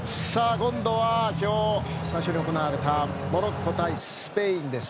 今度は今日、最初に行われたモロッコ対スペインです。